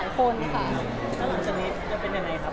ถ้าหนูสนิทจะเป็นอย่างไรครับ